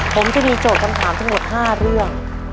ผมจะมีโจทย์คำถามทั้งหมด๕เรื่อง